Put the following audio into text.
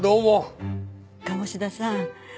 鴨志田さん